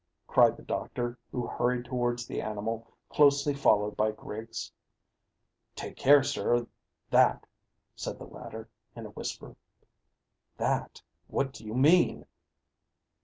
cried the doctor, who hurried towards the animal, closely followed by Griggs. "Take care, sir that," said the latter, in a whisper. "That? What do you mean?"